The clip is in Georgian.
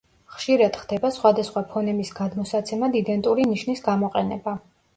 ხშირად ხდება სხვადასხვა ფონემის გადმოსაცემად იდენტური ნიშნის გამოყენება.